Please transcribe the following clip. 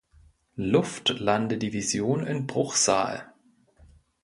Luftlandedivision in Bruchsal.